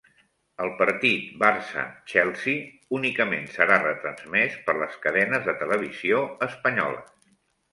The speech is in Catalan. El partit Barça – Chelsea únicament serà retransmès per les cadenes de televisió espanyoles